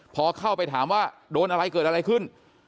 พอเข้าไปถามว่าโดนอะไรเกิดอะไรขึ้น